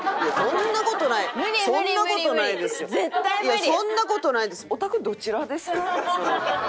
いやそんな事ないです！